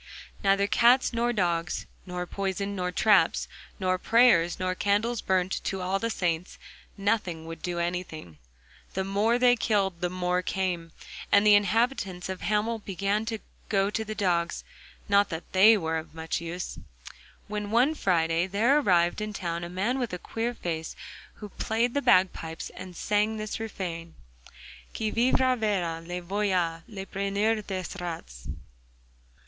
Neither cats nor dogs, nor poison nor traps, nor prayers nor candles burnt to all the saints—nothing would do anything. The more they killed the more came. And the inhabitants of Hamel began to go to the dogs (not that they were of much use), when one Friday there arrived in the town a man with a queer face, who played the bagpipes and sang this refrain: 'Qui vivra verra: Le voilà, Le preneur des rats.